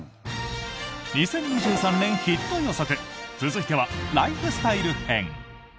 ２０２３年ヒット予測続いては、ライフスタイル編。